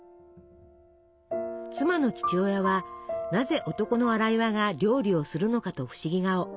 妻の父親はなぜ男の荒岩が料理をするのかと不思議顔。